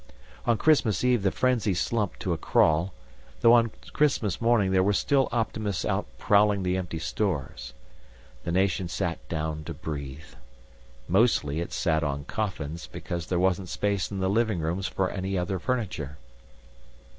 On Christmas Eve the frenzy slumped to a crawl, though on Christmas morning there were still optimists out prowling the empty stores. The nation sat down to breathe. Mostly it sat on coffins, because there wasn't space in the living rooms for any other furniture.